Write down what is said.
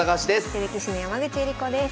女流棋士の山口恵梨子です。